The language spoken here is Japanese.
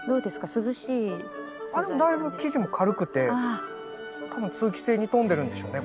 涼しい素材でもだいぶ生地も軽くて多分通気性に富んでるんでしょうね